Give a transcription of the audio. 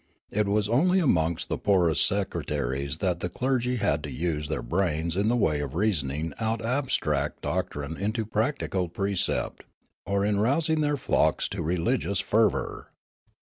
It was only amongst the poorest sectaries that the clergy had to use their brains in the way of reasoning out abstract doctrine into practical precept, or in rousing their flocks to religious fervour.